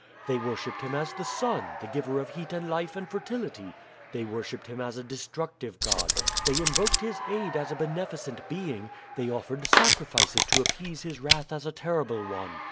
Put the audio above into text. They worshiped him as the sun, the giver of heat and life and fertility; they worshiped him as a destructive god, they invoked his aid as a beneficent being, they offered sacrifices to appease his wrath as a terrible one.